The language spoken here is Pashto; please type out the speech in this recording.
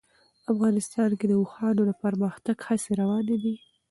افغانستان کې د اوښانو د پرمختګ هڅې روانې دي.